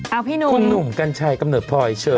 เอาพี่หนุ่มคุณหนุ่มกัญชัยกำเนิดพลอยเชิญ